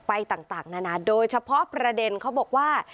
ไปต่างนานาโดยเฉพาะประเด็นเขาบอกว่า